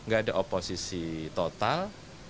gak ada oposisi total